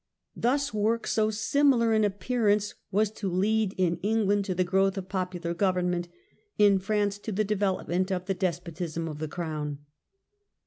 Thus work so similar in appearance was to lead in England to the growth of popular govern ment, in France to the development of the despotism of the Crown.